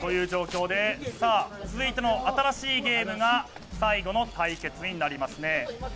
続いての新しいゲームが最後の対決になります。